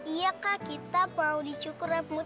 iya kak kita mau dicukur rambut